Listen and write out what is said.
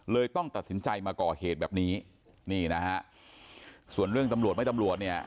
เลยต้องตัดสินใจมาก่อเหตุแบบนี้ส่วนเรื่องตำรวจไม่ตำรวจ